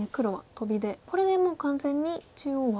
これでもう完全に中央は。